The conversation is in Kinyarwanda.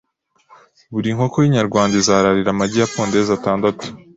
buri nkoko y’inyarwanda izararira amagi ya pondezi atandatu